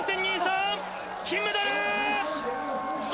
金メダル。